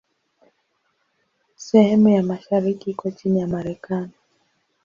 Sehemu ya mashariki iko chini ya Marekani.